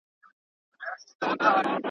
خو چي زه مي د مرګي غېږي ته تللم!